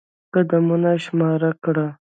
قدمانه شماره کړه.